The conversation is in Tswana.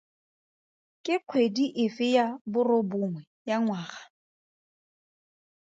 Ke kgwedi efe ya borobongwe ya ngwaga?